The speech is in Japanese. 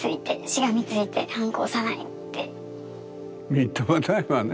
みっともないわね。